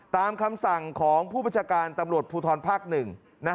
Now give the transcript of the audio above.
ตามคำสั่งของผู้บัญชาการตำรวจภูทรภาคหนึ่ง